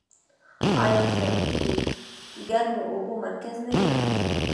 آیا سرعین د ګرمو اوبو مرکز نه دی؟